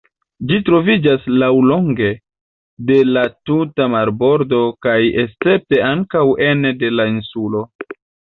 Ĝi troviĝas laŭlonge de la tuta marbordo kaj escepte ankaŭ ene de la insulo.